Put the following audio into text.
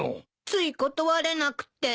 つい断れなくて。